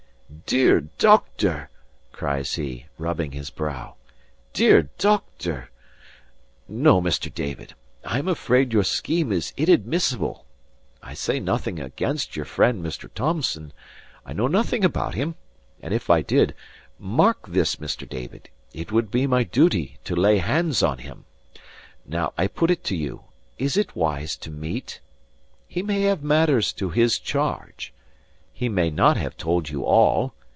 "Dear doctor!" cries he, rubbing his brow. "Dear doctor! No, Mr. David, I am afraid your scheme is inadmissible. I say nothing against your friend, Mr. Thomson: I know nothing against him; and if I did mark this, Mr. David! it would be my duty to lay hands on him. Now I put it to you: is it wise to meet? He may have matters to his charge. He may not have told you all.